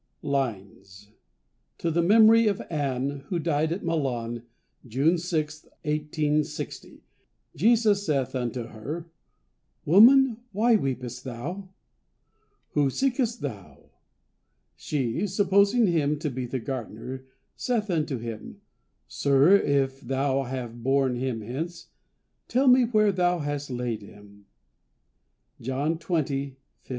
LINES TO THE MEMORY OF "ANNIE," WHO DIED AT MILAN, JUNE 6, 1860 "Jesus saith unto her, Woman, why weepest thou? whom seekest thou? She, supposing him to be the gardener, saith unto him, Sir, if thou have borne him hence, tell me where thou hast laid him." JOHN XX. 15.